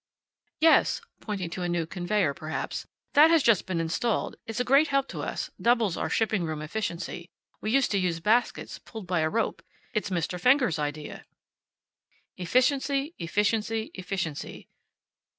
"Yes," pointing to a new conveyor, perhaps, "that has just been installed. It's a great help to us. Doubles our shipping room efficiency. We used to use baskets, pulled by a rope. It's Mr. Fenger's idea." Efficiency, efficiency, efficiency.